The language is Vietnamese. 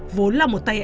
vốn là một tay anh trai